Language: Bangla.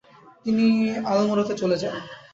তিনি আলমোরাতে চলে যান।